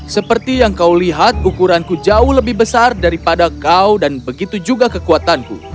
seperti yang kau lihat ukuranku jauh lebih besar daripada kau dan begitu juga kekuatanku